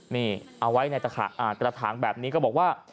นี่เอาไว้ในกระถางแบบนี้ก็บอกว่า